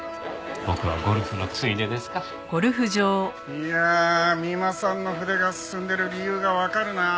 いやあ三馬さんの筆が進んでる理由がわかるなあ。